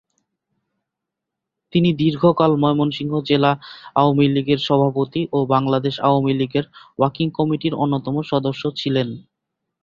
তিনি দীর্ঘকাল ময়মনসিংহ জেলা আওয়ামী লীগের সভাপতি ও বাংলাদেশ আওয়ামী লীগের ওয়াকিং কমিটির অন্যতম সদস্য ছিলেন।